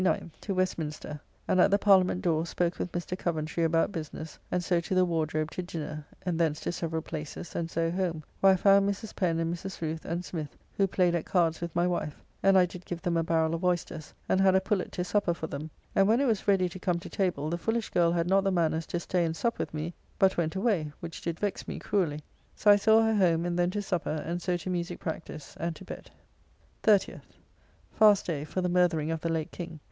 To Westminster, and at the Parliament door spoke with Mr. Coventry about business, and so to the Wardrobe to dinner, and thence to several places, and so home, where I found Mrs. Pen and Mrs. Rooth and Smith, who played at cards with my wife, and I did give them a barrel of oysters, and had a pullet to supper for them, and when it was ready to come to table, the foolish girl had not the manners to stay and sup with me, but went away, which did vex me cruelly. So I saw her home, and then to supper, and so to musique practice, and to bed. 30th. Fast day for the murthering of the late King.